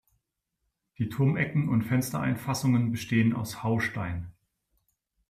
Die Turmecken und Fenstereinfassungen bestehen aus Haustein.